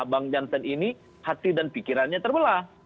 bang jansen ini hati dan pikirannya terbelah